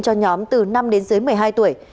cho nhóm từ năm đến dưới một mươi hai tuổi